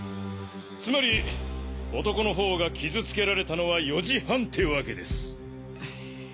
つまり男の頬が傷つけられたのは４時半ってわけです。